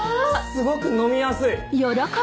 すごく飲みやすい！